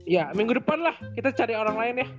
ya minggu depan lah kita cari orang lain ya